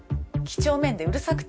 几帳面でうるさくて。